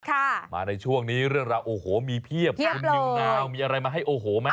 ค่ะมาในช่วงนี้เรื่องราวโอ้โหมีเพียบเพียบเลยมีอะไรมาให้โอ้โหมั้ย